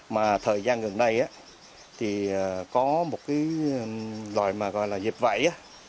mà thời gian gần đây á thì có một cái loại mà gọi là dịp vẩy á